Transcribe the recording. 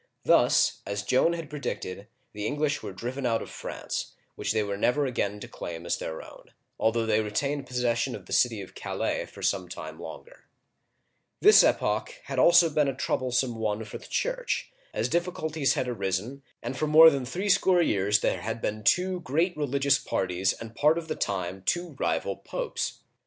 Thus, as Joan had predicted, the English were driven out of France, which they were never again to claim as their own, o. F. — 13 r^ T uigiTizea Dy vjiOOQlC 200 OLD FRANCE although they retained possession of the city of Calais for some time longer. This epoch had also been a troublesome one for the Church, as difficulties had arisen, and for more than three score years there had been two great religious parties and part of the time two rival Popes.